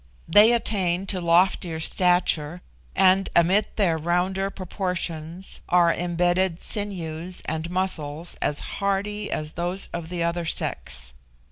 They attain to loftier stature, and amid their rounder proportions are imbedded sinews and muscles as hardy as those of the other sex.